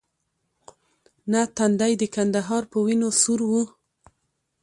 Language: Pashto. نه تندی د کندهار په وینو سور وو.